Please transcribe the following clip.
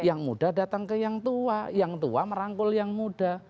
yang muda datang ke yang tua yang tua merangkul yang muda